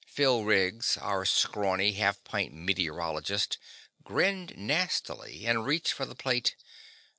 Phil Riggs, our scrawny, half pint meteorologist, grinned nastily and reached for the plate.